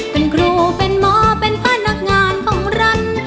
เป็นครูเป็นหมอเป็นพนักงานของรัฐ